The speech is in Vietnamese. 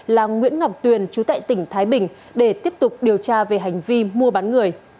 là nguyễn ngọc tuyền chú tại tỉnh thái bình để tiếp tục điều tra về hành vi mua bán người